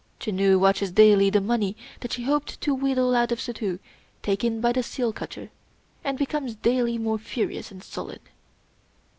Janoo watches daily the money that she hoped to wheedle out of Suddhoo taken by the seal cutter, and becomes daily more furious and sullen.